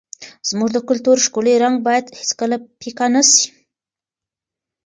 زموږ د کلتور ښکلی رنګ باید هېڅکله پیکه نه سي.